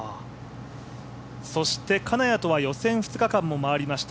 金谷とは予選２日間も回りました